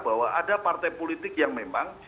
bahwa ada partai politik yang memang